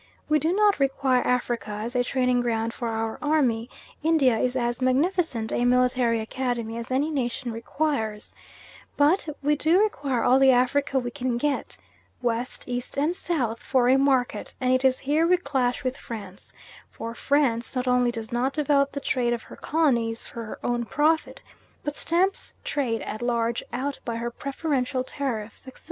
We do not require Africa as a training ground for our army; India is as magnificent a military academy as any nation requires; but we do require all the Africa we can get, West, East, and South, for a market, and it is here we clash with France; for France not only does not develop the trade of her colonies for her own profit, but stamps trade at large out by her preferential tariffs, etc.